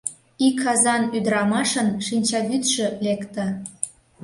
Ик азан ӱдырамашын шинчавӱдшӧ лекте.